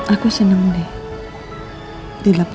aku seneng deh